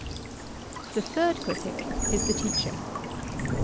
The third critic is the teacher.